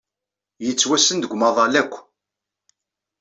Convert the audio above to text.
Yettwassen deg umaḍal akk.